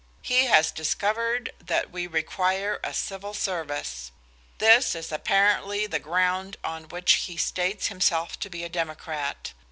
He has discovered that we require a Civil Service. This is apparently the ground on which he states himself to be a Democrat.